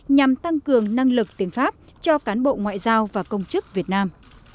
nhằm tăng cường năng lực tiếng pháp cho cán bộ ngoại giao và công chức việt nam